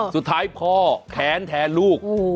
สุดท้ายพ่อแค้นแทนลูก